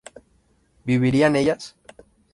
¿vivirían ellas?